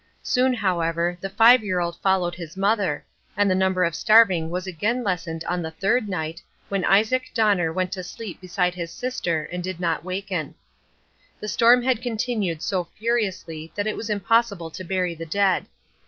Soon, however, the five year old followed his mother, and the number of starving was again lessened on the third night when Isaac Donner went to sleep beside his sister and did not waken. The storm had continued so furiously that it was impossible to bury the dead.